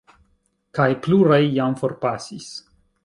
Kaj pluraj jam forpasis.